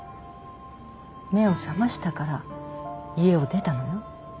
目を覚ましたから家を出たのよ。